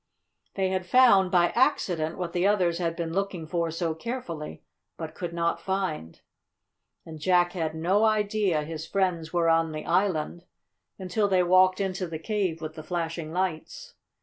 They had found, by accident, what the others had been looking for so carefully but could not find. And Jack had no idea his friends were on the island until they walked into the cave with the flashing lights.